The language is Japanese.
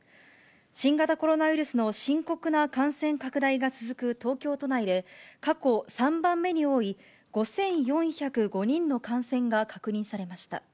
新型コロナウイルスの深刻な感染拡大が続く東京都内で、過去３番目に多い５４０５人の感染が確認されました。